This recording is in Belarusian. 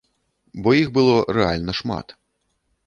Бо іх было рэальна шмат.